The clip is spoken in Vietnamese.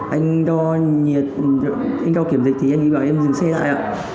anh đo kiểm dịch thì anh ấy bảo em dừng xe lại